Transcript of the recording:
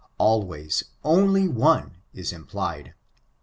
Always, one only, is implied.